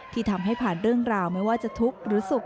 ที่ทำให้ผ่านเรื่องราวไม่ว่าจะทุกข์หรือสุข